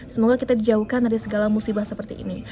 semoga kita dijauhkan dari segala musibah seperti ini